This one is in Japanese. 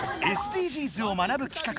ＳＤＧｓを学ぶき